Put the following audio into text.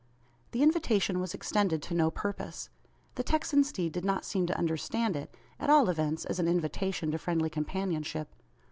The invitation was extended to no purpose. The Texan steed did not seem to understand it; at all events, as an invitation to friendly companionship.